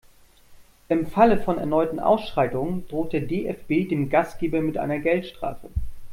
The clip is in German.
Im Falle von erneuten Ausschreitungen droht der DFB dem Gastgeber mit einer Geldstrafe.